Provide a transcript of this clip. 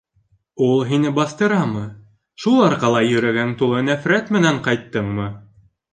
Ул һине баҫтырамы, шул арҡала йөрәгең тулы нәфрәт менән ҡайттыңмы?